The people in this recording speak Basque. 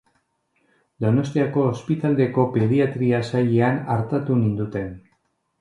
Donostiako ospitaldeko pediatria sailean artatu ninduten.